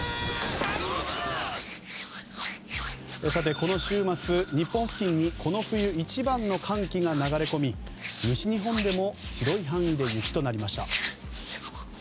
この週末、日本付近にこの冬一番の寒気が流れ込み西日本でも広い範囲で雪となりました。